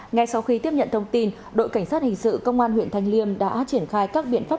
ngay sau khi tiếp nhận thông tin đội cảnh sát hình sự công an huyện thanh liêm đã triển khai các biện pháp